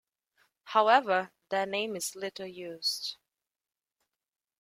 However, that name is little used.